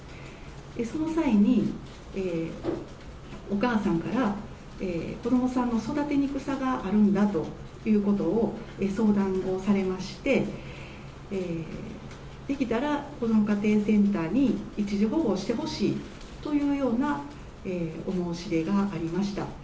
その際に、お母さんから子どもさんの育てにくさがあるんだということを相談をされまして、できたらこども家庭センターに一時保護してほしいというようなお申し出がありました。